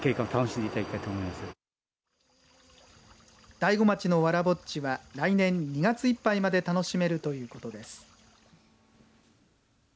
大子町のわらぼっちは来年２月いっぱいまで楽しめるということです。